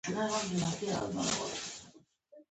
افغانستان کې د ژبې په اړه زده کړه کېږي.